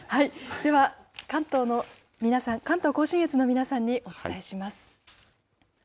では、関東甲信越の皆さんにお伝えします。